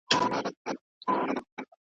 هر شوقي یې د رنګونو خریدار وي .